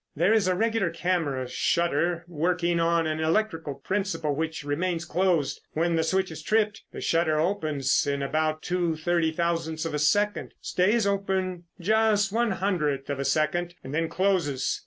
There is a regular camera shutter working on an electric principle which remains closed. When the switch is tripped, the shutter opens in about two thirty thousandths of a second, stays open just one one hundredth of a second, and then closes.